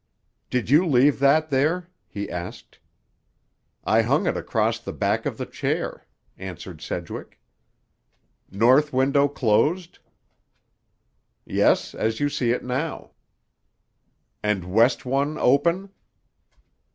"Did you leave that there?" he asked. "I hung it across the back of the chair," answered Sedgwick. "North window closed?" "Yes, as you see it now." "And west one open?"